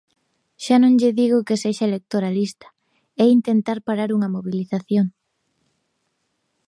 Xa non lle digo que sexa electoralista, é intentar parar unha mobilización.